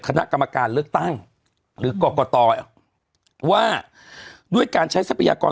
คณะกรรมการเลือกตั้งหรือกรกตว่าด้วยการใช้ทรัพยากร